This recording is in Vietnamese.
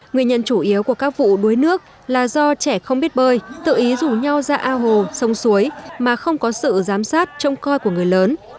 nguyên nhân chủ yếu của các vụ đuối nước là do trẻ không biết bơi tự ý rủ nhau ra ao hồ sông suối mà không có sự giám sát trông coi của người lớn